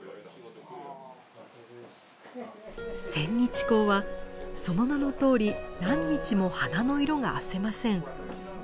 千日紅はその名のとおり何日も花の色があせません。